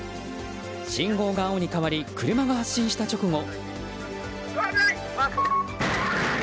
信号が青に変わり車が発進した直後。